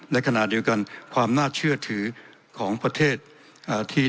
ในขณะเดียวกันความน่าเชื่อถือของประเทศที่